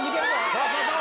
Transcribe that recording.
そうそうそう。